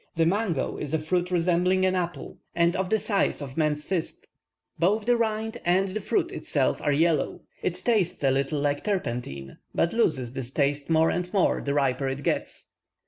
The mango is a fruit resembling an apple, and of the size of a man's fist; both the rind and the fruit itself are yellow. It tastes a little like turpentine, but loses this taste more and more the riper it gets.